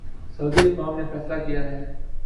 سعودی حکام نے فیصلہ کیا ہے